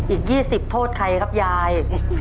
อีก๒๐โทษใครครับยาย